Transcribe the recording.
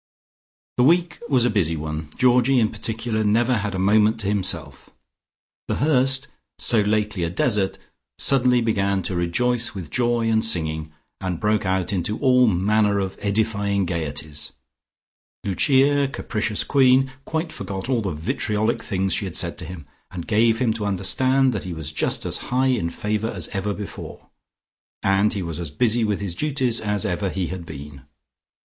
The week was a busy one: Georgie in particular never had a moment to himself. The Hurst, so lately a desert, suddenly began to rejoice with joy and singing and broke out into all manner of edifying gaieties. Lucia, capricious queen, quite forgot all the vitriolic things she had said to him, and gave him to understand that he was just as high in favour as ever before, and he was as busy with his duties as ever he had been.